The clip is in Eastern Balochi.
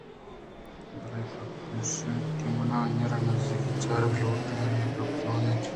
بلئے گپ اِش اِنت کہ من آئی ءَ را نزّیکءَ چارگ لوٹاں ءُآئی ءِ گپ چون اَنت